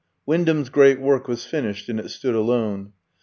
Wyndham's great work was finished, and it stood alone.